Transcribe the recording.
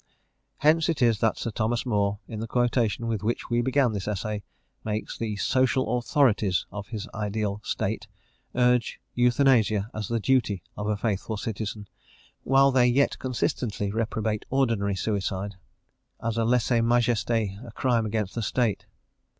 Hence it is that Sir Thomas Moore, in the quotation with which he began this essay, makes the social authorities of his ideal state urge euthanasia as the duty of a faithful citizen, while they yet consistently reprobate ordinary suicide as a lèse majestê a crime against the State.